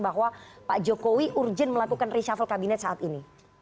bahwa pak jokowi urgent melakukan reshuffle kabinet saat ini